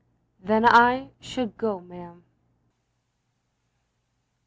" "Then I should go, ma'am."